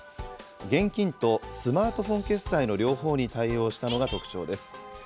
現金とスマートフォン決済の両方に対応したのが特徴です。